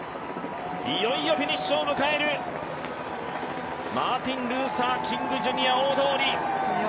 いよいよフィニッシュを迎えるマーティン・ルーサー・キング・ジュニア大通り。